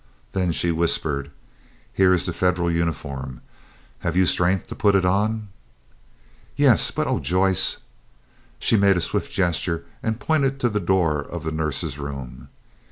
Then she whispered, "Here is the Federal uniform. Have you strength to put it on?" "Yes, but oh, Joyce—" She made a swift gesture and pointed to the door of the nurse's room.